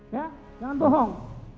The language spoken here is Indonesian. ya jangan bohong